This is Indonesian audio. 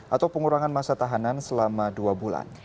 atau pengurangan masa tahanan selama dua bulan